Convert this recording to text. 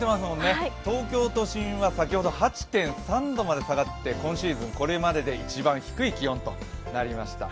東京都心は先ほど８．３度まで下がって、今シーズン、これまでで一番低い気温となりました。